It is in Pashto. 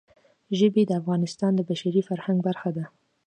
ژبې د افغانستان د بشري فرهنګ برخه ده.